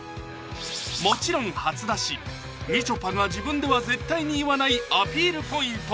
もちろん初出しみちょぱが自分では絶対に言わないアピールポイント